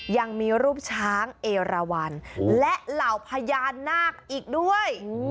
ยังมีรูปช้างเอราวันและเหล่าพญานาคอีกด้วย